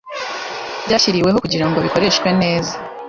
Byashyiriweho kugira ngo bikoreshwe neza